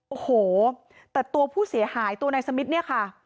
โอ้โหแต่ตัวผู้เสียหายตัวนายสมิทเนี่ยค่ะ